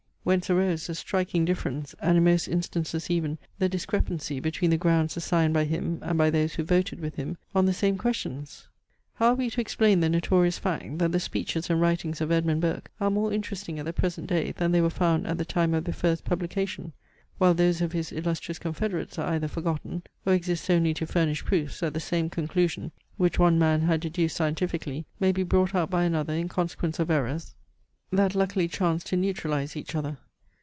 Whence arose the striking difference, and in most instances even, the discrepancy between the grounds assigned by him and by those who voted with him, on the same questions? How are we to explain the notorious fact, that the speeches and writings of Edmund Burke are more interesting at the present day than they were found at the time of their first publication; while those of his illustrious confederates are either forgotten, or exist only to furnish proofs, that the same conclusion, which one man had deduced scientifically, may be brought out by another in consequence of errors that luckily chanced to neutralize each other.